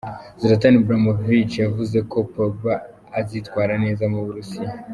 Zlatan Ibrahimovic yavuze ko Pogba azitwara neza mu Burusiya.